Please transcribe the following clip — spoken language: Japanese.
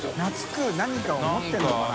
何かを持ってるのかな？